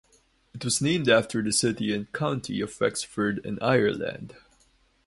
It was named after the city and county of Wexford in Ireland.